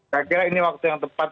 saya kira ini waktu yang tepat